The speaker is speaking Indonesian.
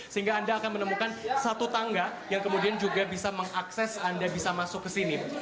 sehingga anda akan menemukan satu tangga yang kemudian juga bisa mengakses anda bisa masuk ke sini